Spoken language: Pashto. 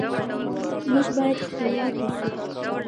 موږ باید خپلواک اوسو.